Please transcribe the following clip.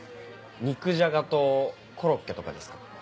肉じゃがとコロッケとかですか？